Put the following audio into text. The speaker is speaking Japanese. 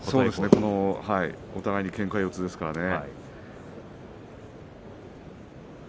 お互いにけんか四つですからね。